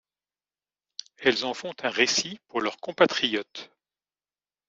Elles en font un récit pour leurs compatriotes.